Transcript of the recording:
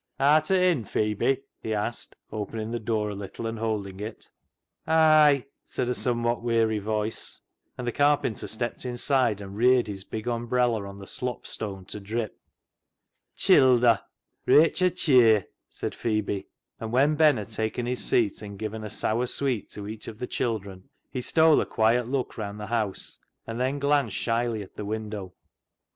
Arta' in, Phebe ?" he asked, opening the door a little, and holding it. " Ay," said a somewhat weary voice, and the carpenter stepped inside, and reared his big umbrella on the slop stone to drip. " Childer, reitch a cheer," said Phebe, and when Ben had taken his seat, and given a sour sweet to each of the children, he stole a quiet look round the house, and then glanced shyly at the widow.